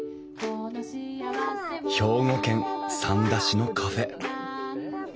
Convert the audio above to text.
兵庫県三田市のカフェ。